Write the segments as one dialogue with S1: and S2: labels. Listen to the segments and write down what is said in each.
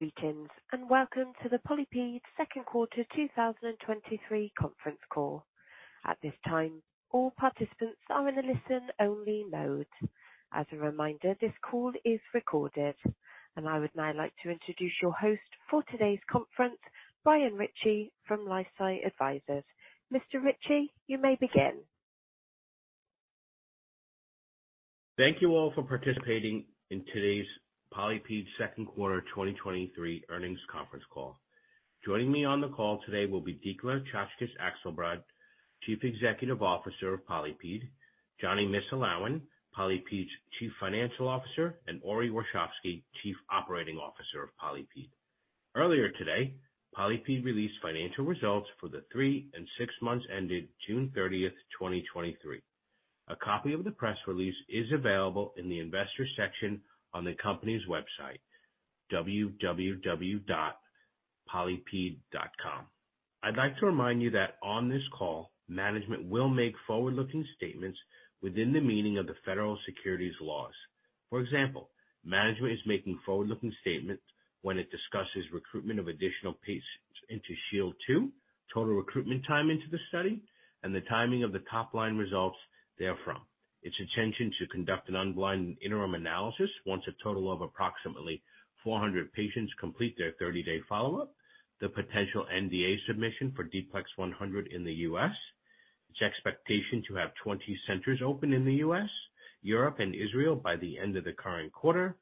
S1: Greetings and welcome to the PolyPid 2nd Quarter 2023 conference call. At this time, all participants are in a listen-only mode. As a reminder, this call is recorded, and I would now like to introduce your host for today's conference, Brian Ritchie from LifeSci Advisors. Mr. Ritchie, you may begin.
S2: Thank you all for participating in today's PolyPid 2nd quarter 2023 earnings conference call. Joining me on the call today will be Dikla Czaczkes Akselbrad, Chief Executive Officer of PolyPid; Jonny Missulawin, PolyPid's Chief Financial Officer; and Ori Warshavsky, Chief Operating Officer of PolyPid. Earlier today, PolyPid released financial results for the three and six months ended June 30th, 2023. A copy of the press release is available in the investor section on the company's website, www.polypid.com. I'd like to remind you that on this call, management will make forward-looking statements within the meaning of the federal securities laws. For example, management is making forward-looking statements when it discusses recruitment of additional patients into SHIELD II, total recruitment time into the study, and the timing of the top-line results therefrom. Its intention to conduct an unblind interim analysis once a total of approximately 400 patients complete their 30-day follow-up, the potential NDA submission for D-PLEX100 in the U.S., its expectation to have 20 centers open in the U.S., Europe, and Israel by the end of the current quarter,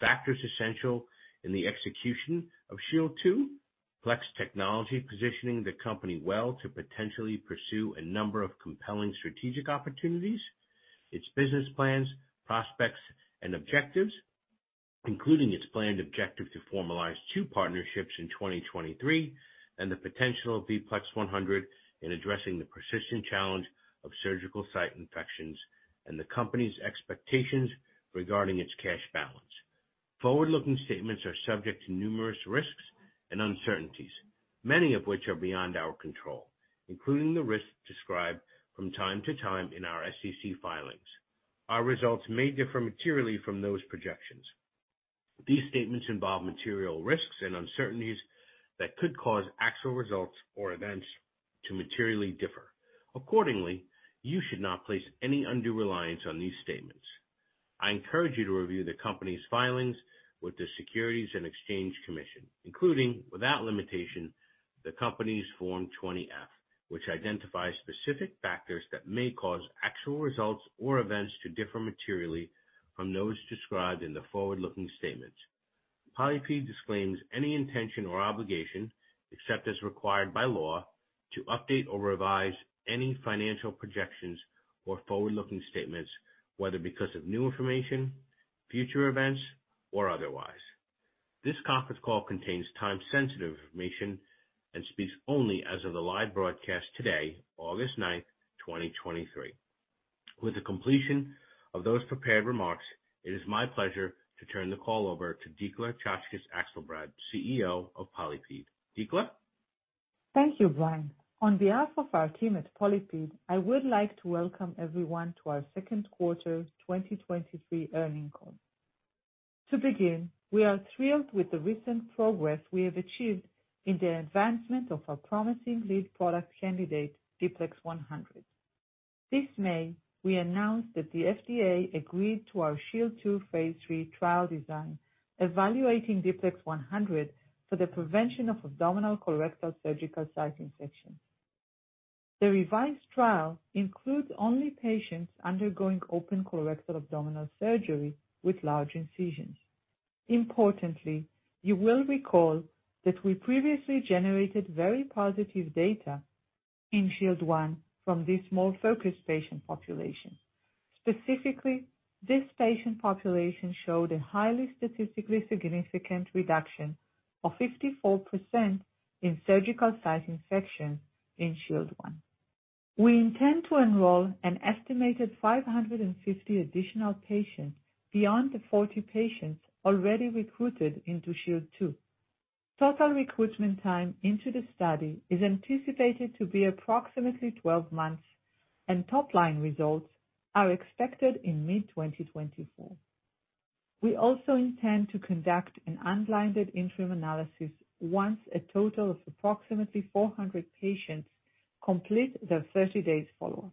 S2: factors essential in the execution of SHIELD II, PLEX Technology positioning the company well to potentially pursue a number of compelling strategic opportunities, its business plans, prospects, and objectives, including its planned objective to formalize two partnerships in 2023 and the potential of D-PLEX100 in addressing the persistent challenge of surgical site infections and the company's expectations regarding its cash balance. Forward-looking statements are subject to numerous risks and uncertainties, many of which are beyond our control, including the risk described from time to time in our SEC filings. Our results may differ materially from those projections. These statements involve material risks and uncertainties that could cause actual results or events to materially differ. Accordingly, you should not place any undue reliance on these statements. I encourage you to review the company's filings with the Securities and Exchange Commission, including, without limitation, the company's Form 20-F, which identifies specific factors that may cause actual results or events to differ materially from those described in the forward-looking statements. PolyPid disclaims any intention or obligation, except as required by law, to update or revise any financial projections or forward-looking statements, whether because of new information, future events, or otherwise. This conference call contains time-sensitive information and speaks only as of the live broadcast today, August 9, 2023. With the completion of those prepared remarks, it is my pleasure to turn the call over to Dikla Czaczkes Akselbrad, CEO of PolyPid. Dikla?
S1: Thank you, Brian. On behalf of our team at PolyPid, I would like to welcome everyone to our 2nd quarter 2023 earnings call. To begin, we are thrilled with the recent progress we have achieved in the advancement of our promising lead product candidate, D-PLEX100. This May, we announced that the FDA agreed to our SHIELD II phase III trial design evaluating D-PLEX100 for the prevention of abdominal colorectal surgical site infection. The revised trial includes only patients undergoing open colorectal abdominal surgery with large incisions. Importantly, you will recall that we previously generated very positive data in SHIELD I from this small focus patient population. Specifically, this patient population showed a highly statistically significant reduction of 54% in surgical site infections in SHIELD I. We intend to enroll an estimated 550 additional patients beyond the 40 patients already recruited into SHIELD II. Total recruitment time into the study is anticipated to be approximately 12 months, and top-line results are expected in mid-2024. We also intend to conduct an unblinded interim analysis once a total of approximately 400 patients complete their 30-day follow-up.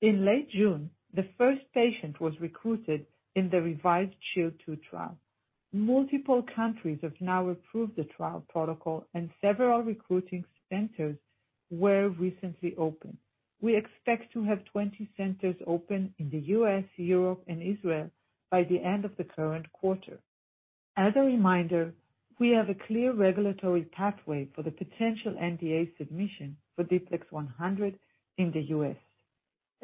S1: In late June, the first patient was recruited in the revised SHIELD II trial. Multiple countries have now approved the trial protocol, and several recruiting centers were recently open. We expect to have 20 centers open in the U.S., Europe, and Israel by the end of the current quarter. As a reminder, we have a clear regulatory pathway for the potential NDA submission for D-PLEX100 in the U.S.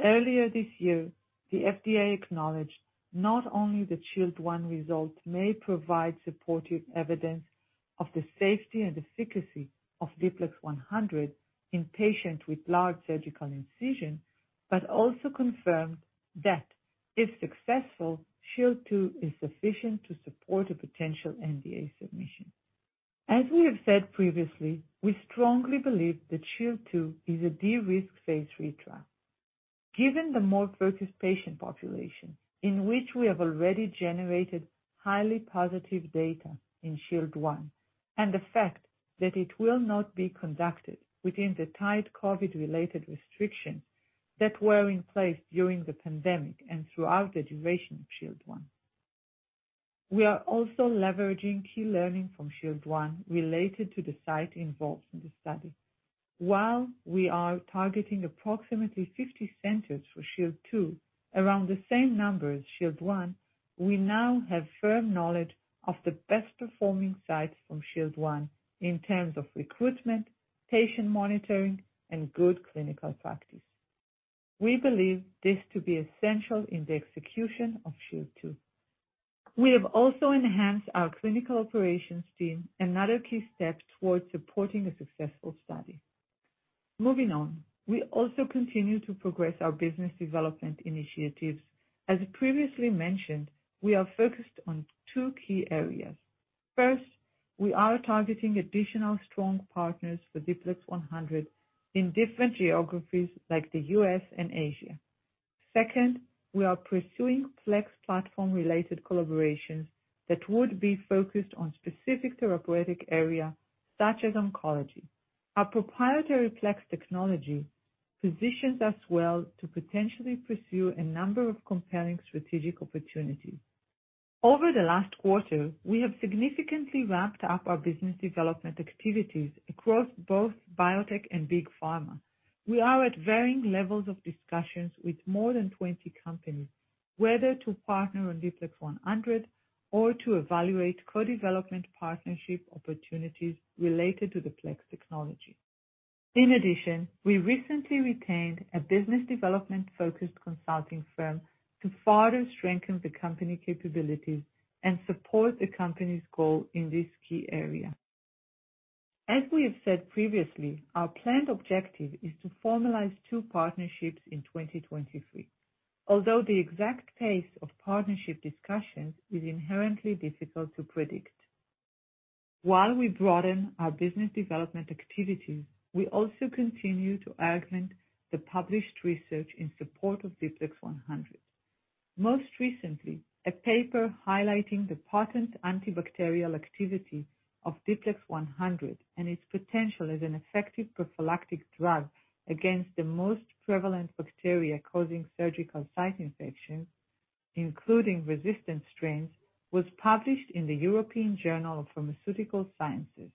S1: Earlier this year, the FDA acknowledged not only that SHIELD I results may provide supportive evidence of the safety and efficacy of D-PLEX100 in patients with large surgical incisions, but also confirmed that, if successful, SHIELD II is sufficient to support a potential NDA submission. As we have said previously, we strongly believe that SHIELD II is a de-risk phase III trial. Given the more focused patient population, in which we have already generated highly positive data in SHIELD I, and the fact that it will not be conducted within the tight COVID-related restrictions that were in place during the pandemic and throughout the duration of SHIELD I. We are also leveraging key learning from SHIELD I related to the site involved in the study. While we are targeting approximately 50 centers for SHIELD II, around the same number as SHIELD I, we now have firm knowledge of the best-performing sites from SHIELD I in terms of recruitment, patient monitoring, and good clinical practice. We believe this to be essential in the execution of SHIELD II. We have also enhanced our clinical operations team, another key step towards supporting a successful study. Moving on, we also continue to progress our business development initiatives. As previously mentioned, we are focused on two key areas. First, we are targeting additional strong partners for D-PLEX100 in different geographies like the U.S. and Asia. Second, we are pursuing PLEX platform-related collaborations that would be focused on specific therapeutic areas, such as Oncology. Our proprietary PLEX technology positions us well to potentially pursue a number of compelling strategic opportunities. Over the last quarter, we have significantly ramped up our business development activities across both biotech and big pharma. We are at varying levels of discussions with more than 20 companies, whether to partner on D-PLEX100 or to evaluate co-development partnership opportunities related to the PLEX technology. We recently retained a business development-focused consulting firm to further strengthen the company capabilities and support the company's goal in this key area. As we have said previously, our planned objective is to formalize two partnerships in 2023, although the exact pace of partnership discussions is inherently difficult to predict. While we broaden our business development activities, we also continue to augment the published research in support of D-PLEX100. Most recently, a paper highlighting the potent antibacterial activity of D-PLEX100 and its potential as an effective prophylactic drug against the most prevalent bacteria causing surgical site infections, including resistant strains, was published in the European Journal of Pharmaceutical Sciences.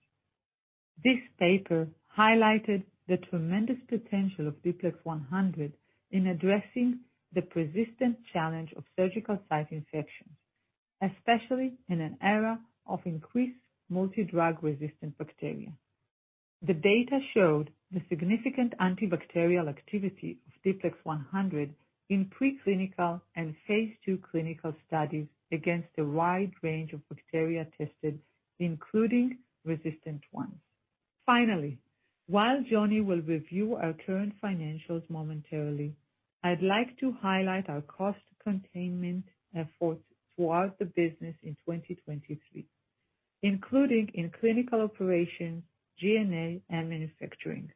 S1: This paper highlighted the tremendous potential of D-PLEX100 in addressing the persistent challenge of surgical site infections, especially in an era of increased multi-drug resistant bacteria. The data showed the significant antibacterial activity of D-PLEX100 in preclinical and phase II clinical studies against a wide range of bacteria tested, including resistant ones. Finally, while Jonny will review our current financials momentarily, I'd like to highlight our cost containment efforts throughout the business in 2023, including in clinical operations, G&A, and manufacturing.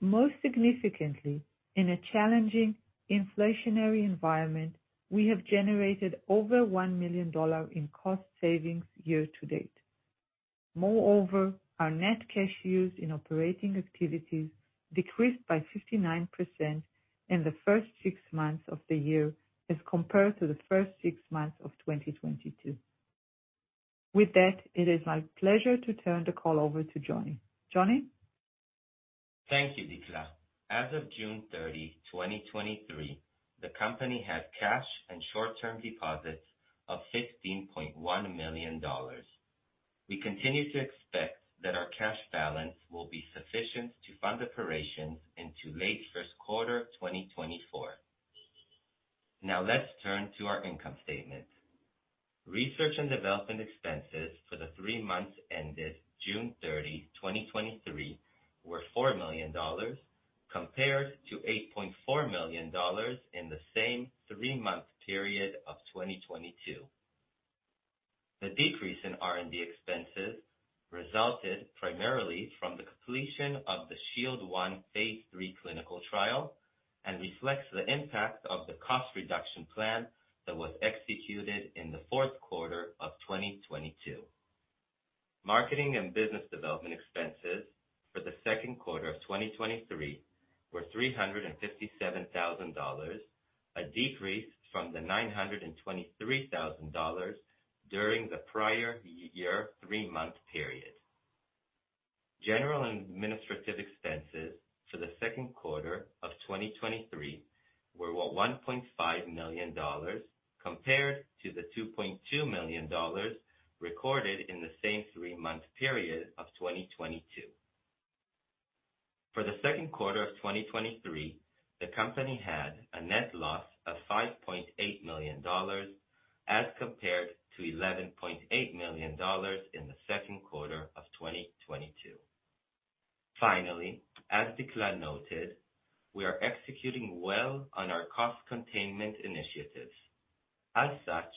S1: Most significantly, in a challenging inflationary environment, we have generated over $1 million in cost savings year to date. Moreover, our net cash used in operating activities decreased by 59% in the first six months of the year as compared to the first six months of 2022. With that, it is my pleasure to turn the call over to Jonny. Jonny?
S3: Thank you, Dikla. As of June 30, 2023, the company has cash and short-term deposits of $15.1 million. We continue to expect that our cash balance will be sufficient to fund operations into late first quarter 2024. Let's turn to our income statements. Research and development expenses for the three months ended June 30, 2023, were $4 million, compared to $8.4 million in the same three-month period of 2022. The decrease in R&D expenses resulted primarily from the completion of the SHIELD I phase III clinical trial and reflects the impact of the cost reduction plan that was executed in the 4th quarter of 2022. Marketing and business development expenses for the 2nd quarter of 2023 were $357,000, a decrease from the $923,000 during the prior year three-month period. General and administrative expenses for the 2nd quarter of 2023 were $1.5 million, compared to the $2.2 million recorded in the same three-month period of 2022. For the 2nd quarter of 2023, the company had a net loss of $5.8 million as compared to $11.8 million in the 2nd quarter of 2022. Finally, as Dikla noted, we are executing well on our cost containment initiatives. As such,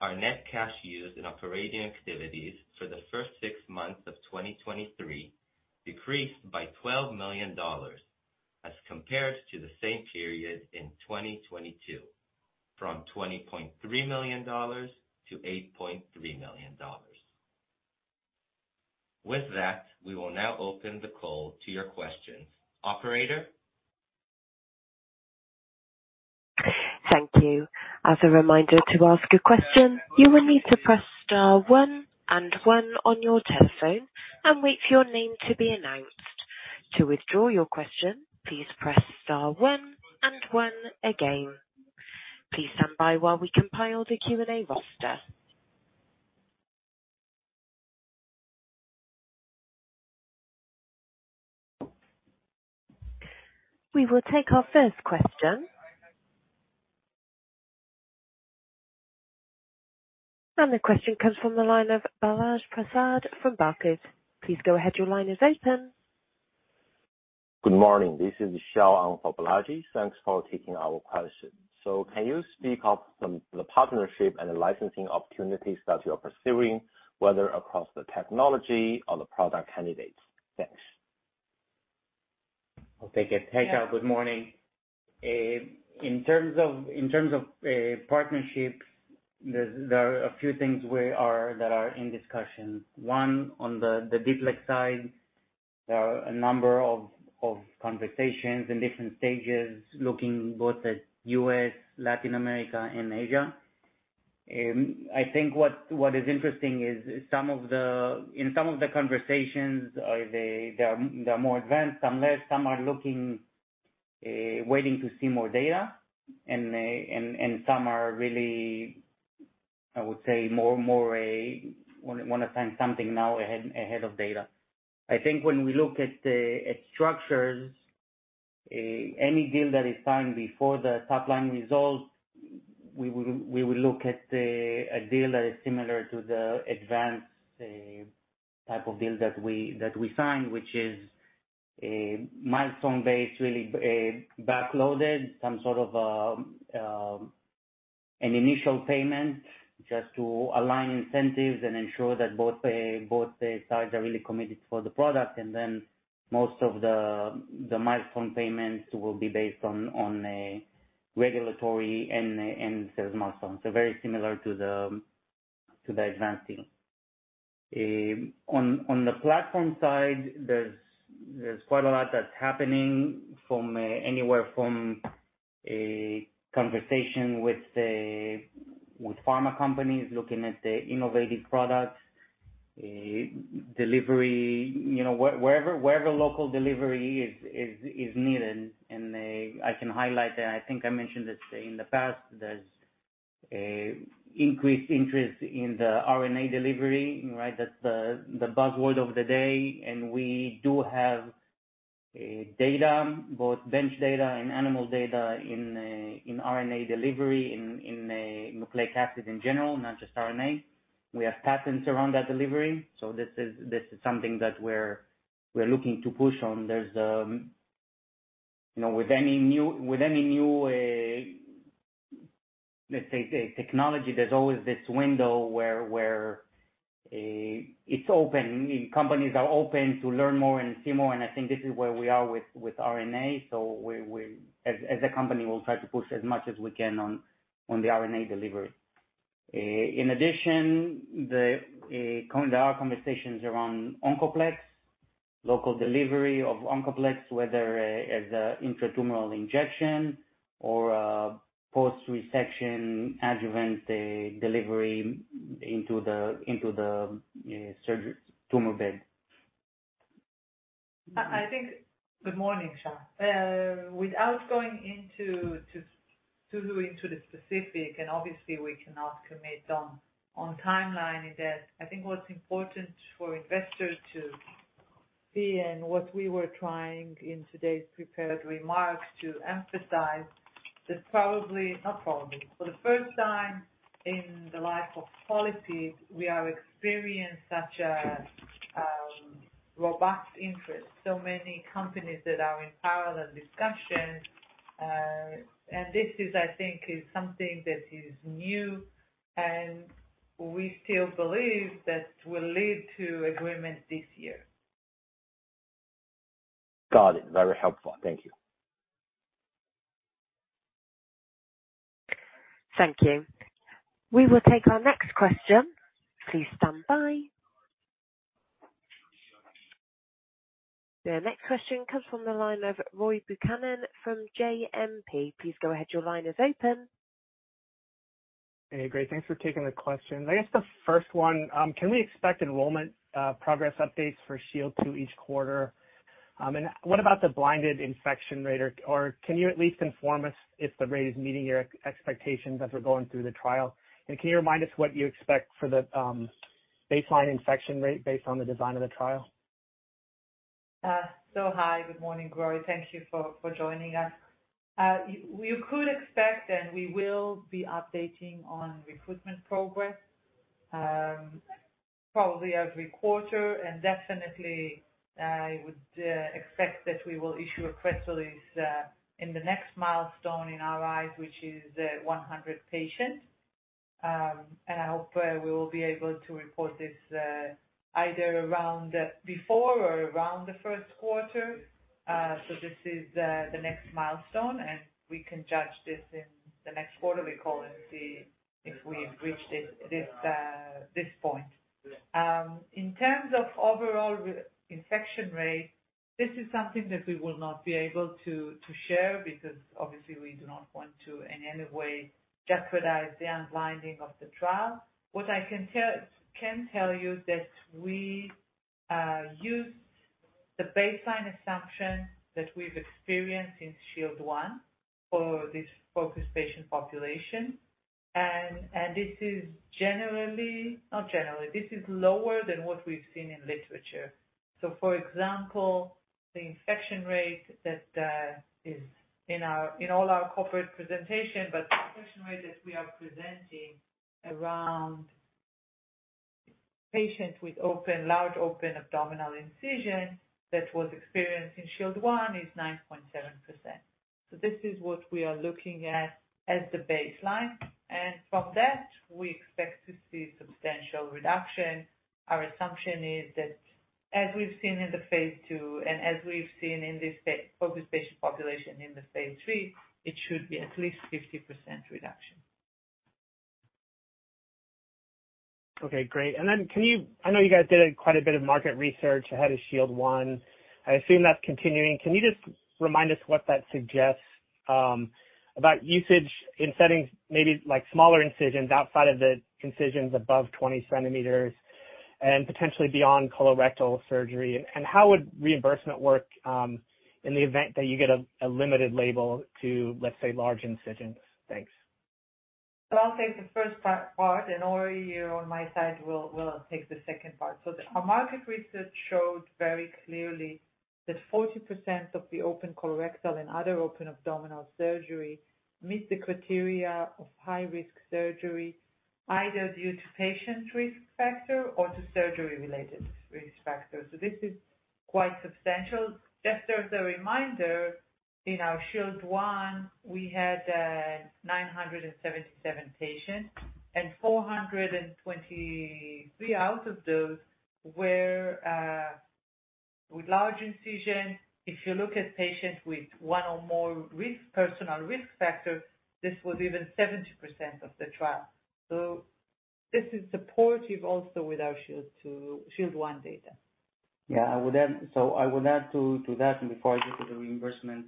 S3: our net cash used in operating activities for the 1st six months of 2023 decreased by $12 million as compared to the same period in 2022, from $20.3 million to $8.3 million. With that, we will now open the call to your questions. Operator?
S4: Thank you. As a reminder to ask a question, you will need to press star one and one on your telephone and wait for your name to be announced. To withdraw your question, please press star one and one again. Please stand by while we compile the Q&A roster. We will take our 1st question. The question comes from the line of Balaji Prasad from Barclays. Please go ahead, your line is open.
S5: Good morning. This is Vishal Balaji. Thanks for taking our question. Can you speak of the partnership and the licensing opportunities that you are pursuing, whether across the technology or the product candidates? Thanks.
S3: Okay, good morning. In terms of partnerships, there are a few things that are in discussion. One, on the D-PLEX side, there are a number of conversations in different stages looking both at the U.S., Latin America, and Asia. I think what is interesting is in some of the conversations, they are more ADVANZ, some less. Some are waiting to see more data. Some are really, I would say, more a want to find something now ahead of data. I think when we look at structures, any deal that is signed before the top-line result, we would look at a deal that is similar to the ADVANZ type of deal that we signed, which is milestone-based, really backloaded, some sort of an initial payment just to align incentives and ensure that both sides are really committed for the product. Most of the milestone payments will be based on regulatory and sales milestones. Very similar to the ADVANZ deal. On the platform side, there's quite a lot that's happening anywhere from conversation with pharma companies looking at the innovative products, delivery, wherever local delivery is needed. I can highlight, I think I mentioned this in the past, there's increased interest in the RNA delivery. That's the buzzword of the day. We do have data, both bench data and animal data, in RNA delivery, in nucleic acid in general, not just RNA. We have patents around that delivery. This is something that we're looking to push on. With any new technology, there's always this window where it's open. Companies are open to learn more and see more. I think this is where we are with RNA. As a company, we'll try to push as much as we can on the RNA delivery. In addition, there are conversations around OncoPLEX, local delivery of OncoPLEX, whether as an intratumoral injection or post-resection adjuvant delivery into the tumor bed.
S1: I think, good morning, Vishal. Without going into the specifics, obviously we cannot commit on timeline in this, I think what's important for investors to see, and what we were trying in today's prepared remarks to emphasize, that probably not probably, for the first time in the life of PolyPid, we are experiencing such a robust interest. Many companies that are in parallel discussions. This is, I think, something that is new. We still believe that will lead to agreement this year.
S5: Got it. Very helpful. Thank you.
S4: Thank you. We will take our next question. Please stand by. The next question comes from the line of Roy Buchanan from JMP. Please go ahead, your line is open.
S6: Great. Thanks for taking the question. I guess the 1st one, can we expect enrollment progress updates for SHIELD II each quarter? What about the blinded infection rate, or can you at least inform us if the rate is meeting your expectations as we're going through the trial? Can you remind us what you expect for the baseline infection rate based on the design of the trial?
S1: Hi. Good morning, Roy. Thank you for joining us. You could expect, and we will be updating on recruitment progress, probably every quarter. Definitely, I would expect that we will issue a press release in the next milestone in our eyes, which is 100 patients. I hope we will be able to report this either before or around the 1st quarter. This is the next milestone. We can judge this in the next quarter, we call it, if we've reached this point. In terms of overall infection rate, this is something that we will not be able to share because obviously we do not want to in any way jeopardize the unblinding of the trial. What I can tell you is that we used the baseline assumption that we've experienced in SHIELD I for this focused patient population. This is generally not generally. This is lower than what we've seen in literature. For example, the infection rate that is in all our corporate presentation, but the infection rate that we are presenting around patients with large open abdominal incisions that was experienced in SHIELD I is 9.7%. This is what we are looking at as the baseline. From that, we expect to see substantial reduction. Our assumption is that as we've seen in the phase II and as we've seen in this focused patient population in the phase III, it should be at least 50% reduction.
S6: Okay, great. Can you I know you guys did quite a bit of market research ahead of SHIELD I. I assume that's continuing. Can you just remind us what that suggests about usage in settings maybe smaller incisions outside of the incisions above 20 centimeters and potentially beyond colorectal surgery? How would reimbursement work in the event that you get a limited label to, let's say, large incisions? Thanks.
S1: I'll take the 1st part. Ori, on my side, will take the 2nd part. Our market research showed very clearly that 40% of the open colorectal and other open abdominal surgeries meet the criteria of high-risk surgery, either due to patient risk factor or to surgery-related risk factors. This is quite substantial. Just as a reminder, in our SHIELD I, we had 977 patients. 423 out of those were with large incisions. If you look at patients with one or more personal risk factors, this was even 70% of the trial. This is supportive also with our SHIELD I data.
S7: Yeah. I would add to that and refer you to the reimbursement.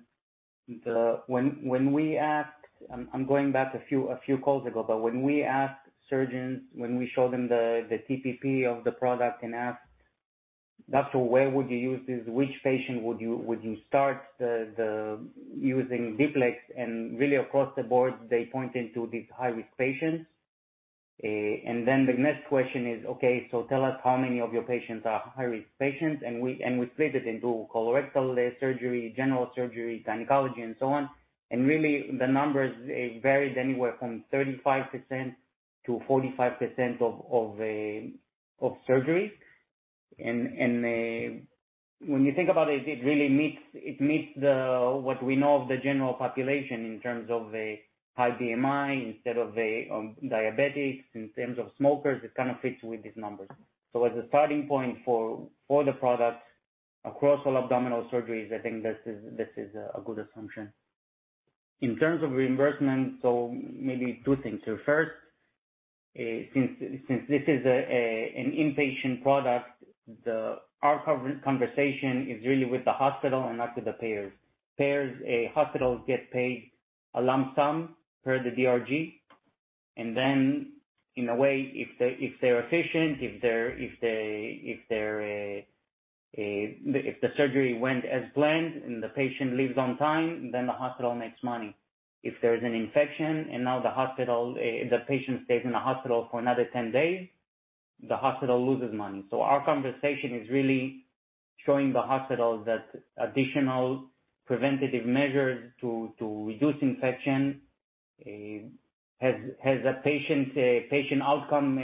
S7: When we asked I'm going back a few calls ago, but when we asked surgeons, when we showed them the TPP of the product and asked, actually, where would you use this, which patient would you start using D-PLEX? Really, across the board, they pointed to these high-risk patients. Then the next question is, okay, so tell us how many of your patients are high-risk patients? We split it into colorectal surgery, general surgery, gynecology, and so on. Really, the numbers varied anywhere from 35%-45% of surgeries. When you think about it, it really meets what we know of the general population in terms of high BMI instead of diabetics, in terms of smokers. It kind of fits with these numbers. As a starting point for all the products across all abdominal surgeries, I think this is a good assumption. In terms of reimbursement, maybe two things here. First, since this is an inpatient product, our conversation is really with the hospital and not with the payers. Hospitals get paid a lump sum per the DRG. Then, in a way, if they're efficient, if the surgery went as planned and the patient lives on time, then the hospital makes money. If there is an infection and now the patient stays in the hospital for another 10 days, the hospital loses money. Our conversation is really showing the hospital that additional preventative measures to reduce infection have a patient outcome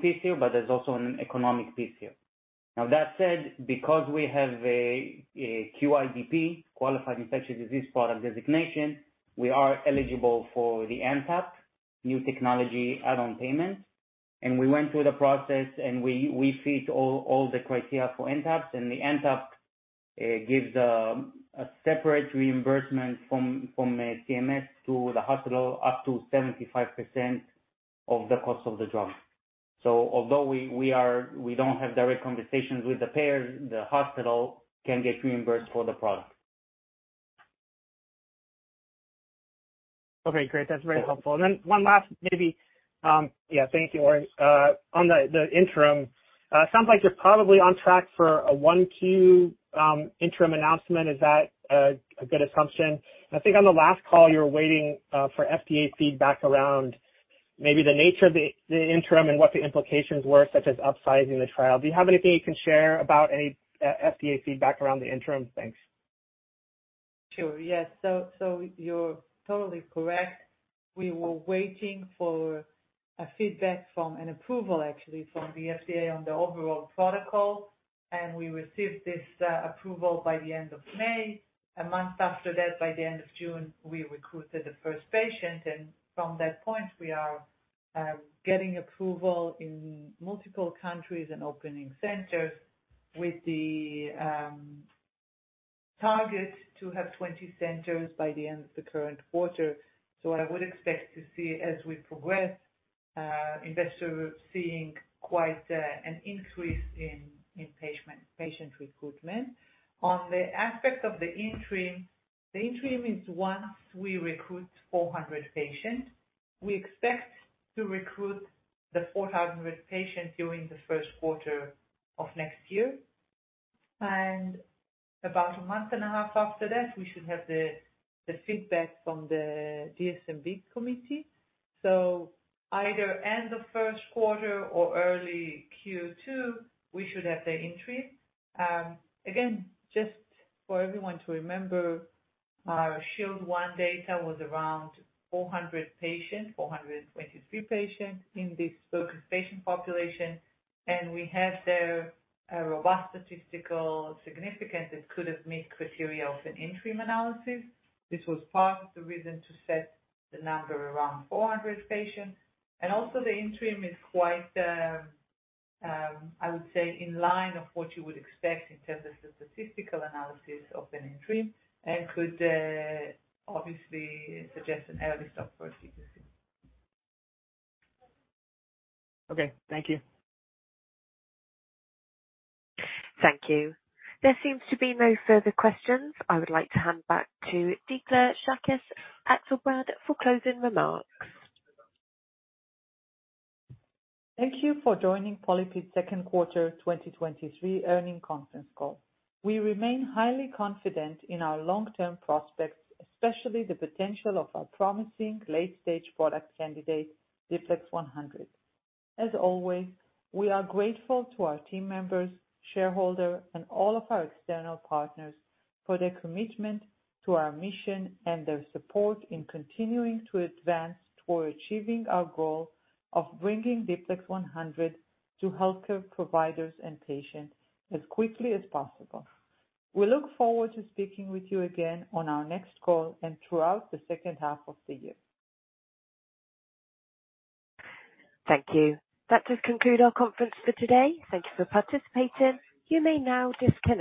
S7: piece here, but there's also an economic piece here. That said, because we have a QIDP, Qualified Infectious Disease Product designation, we are eligible for the NTAP, New Technology Add-on Payment. We went through the process and we fit all the criteria for NTAPs. The NTAP gives a separate reimbursement from CMS to the hospital up to 75% of the cost of the drug. Although we don't have direct conversations with the payers, the hospital can get reimbursed for the product.
S6: Okay, great. That's very helpful. One last, maybe. Yeah, thank you, Ori. On the interim, it sounds like you're probably on track for a 1Q interim announcement. Is that a good assumption? I think on the last call, you were waiting for FDA feedback around maybe the nature of the interim and what the implications were, such as upsizing the trial. Do you have anything you can share about any FDA feedback around the interim? Thanks.
S1: Sure. Yes. You're totally correct. We were waiting for feedback from an approval, actually, from the FDA on the overall protocol. We received this approval by the end of May. A month after that, by the end of June, we recruited the 1st patient. From that point, we are getting approval in multiple countries and opening centers with the target to have 20 centers by the end of the current quarter. What I would expect to see as we progress, investors seeing quite an increase in patient recruitment. On the aspect of the interim, the interim is once we recruit 400 patients. We expect to recruit the 400 patients during the first quarter of next year. About a month and a half after that, we should have the feedback from the DSMB committee. Either end of 1st quarter or early Q2, we should have the increase. Again, just for everyone to remember, our SHIELD I data was around 400 patients, 423 patients in this focused patient population. We have there a robust statistical significance that could have met criteria of an interim analysis. This was part of the reason to set the number around 400 patients. Also, the interim is quite, I would say, in line with what you would expect in terms of the statistical analysis of an interim and could obviously suggest an earliest approach you could see.
S6: Okay. Thank you.
S4: Thank you. There seems to be no further questions. I would like to hand back to Dikla Akselbrad for closing remarks.
S1: Thank you for joining PolyPid 2nd quarter 2023 earnings conference call. We remain highly confident in our long-term prospects, especially the potential of our promising late-stage product candidate, D-PLEX100. As always, we are grateful to our team members, shareholders, and all of our external partners for their commitment to our mission and their support in continuing to advance toward achieving our goal of bringing D-PLEX100 to healthcare providers and patients as quickly as possible. We look forward to speaking with you again on our next call and throughout the 2nd half of the year.
S4: Thank you. That does conclude our conference for today. Thank you for participating. You may now disconnect.